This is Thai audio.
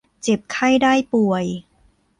เจ็บไข้ได้ป่วย